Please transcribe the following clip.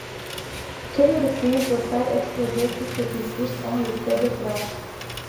Killer Queen peut faire exploser tout ce qu'il touche, sans laisser de traces.